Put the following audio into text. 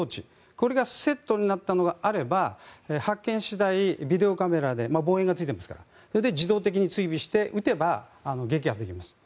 これがセットになったのがあれば発見次第ビデオカメラで望遠がついていますからそれで自動的に追尾して撃てば撃破できます。